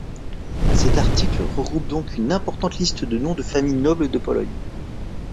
Cet article regroupe donc une importante liste de Nom de familles nobles de Pologne.